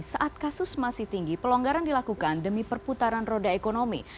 saat kasus masih tinggi pelonggaran dilakukan demi perputaran roda ekonomi